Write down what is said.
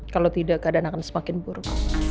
kalau tidak keadaan akan semakin buruk